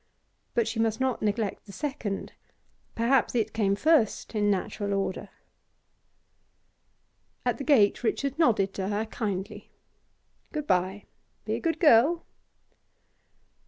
But she must not neglect the second; perhaps it came first in natural order. At the gate Richard nodded to her kindly. 'Good bye. Be a good girl.